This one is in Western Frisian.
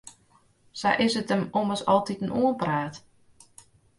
Sa is it him ommers altiten oanpraat.